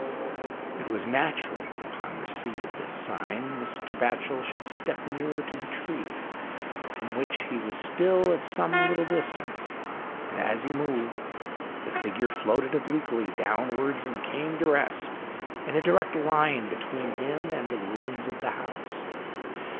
It was natural that upon receipt of this sign Mr. Batchel should step nearer to the tree, from which he was still at some little distance, and as he moved, the figure floated obliquely down wards and came to rest in a direct line between him and the ruins of the house.